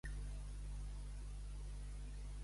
A qui va fer saber la seva defensa de la fe cristiana?